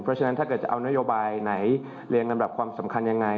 เพราะฉะนั้นถ้าเกิดจะเอานโยบายไหนเรียงลำดับความสำคัญยังไง